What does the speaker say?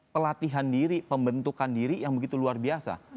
pelatihan diri pembentukan diri yang begitu luar biasa